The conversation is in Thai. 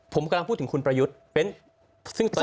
ผมกำลังพูดถึงคุณประยุทธ์เป็นซึ่งตอนอย่าง๖๘